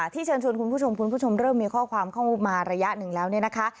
เชิญชวนคุณผู้ชมคุณผู้ชมเริ่มมีข้อความเข้ามาระยะหนึ่งแล้วเนี่ยนะคะ